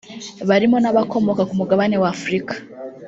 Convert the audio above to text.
barimo n’abakomoka ku mugabane wa Afurika